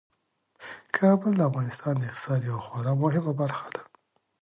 کابل د افغانستان د اقتصاد یوه خورا مهمه برخه ده.